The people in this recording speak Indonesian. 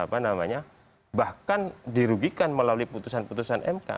apa namanya bahkan dirugikan melalui putusan putusan mk